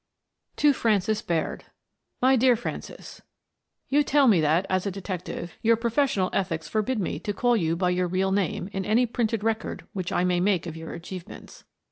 To Frances Baird My dear Frances :— You tell me that, as a detective, your profes sional ethics forbid me to call you by your real name in any printed record which I may make of your achievements.